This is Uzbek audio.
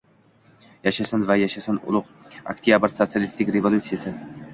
Yashasin va yashnasin, Ulug‘ Oktyabr sotsialistik revolyutsiyasi!»